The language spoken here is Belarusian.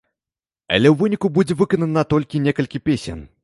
Але ў выніку будзе выканана толькі некалькі песень.